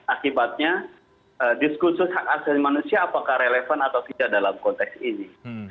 akibatnya diskursus hak asasi manusia apakah relevan atau tidak dalam konteks ini